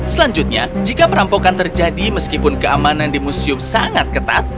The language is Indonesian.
selanjutnya jika perampokan terjadi meskipun keamanan di museum sangat ketat